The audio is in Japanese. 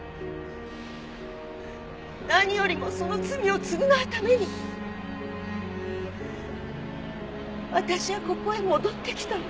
何よりもその罪を償うために私はここへ戻ってきたの。